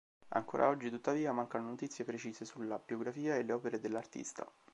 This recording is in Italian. Ancora oggi, tuttavia, mancano notizie precise sulla biografia e le opere dell'artista.